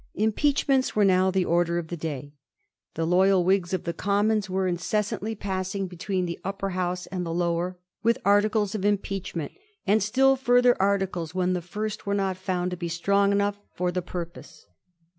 Lnpeachments were now the order of the day. The loyal Whigs of the Commons were incessantly passing between the Upper House and the Lower with articles of impeachment, and still fiirther articles when the first were not found to be strong enough for the purpose.